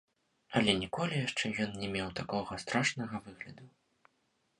Але ніколі яшчэ ён не меў такога страшнага выгляду.